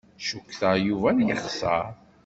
Cukkteɣ Yuba ad yexṣer.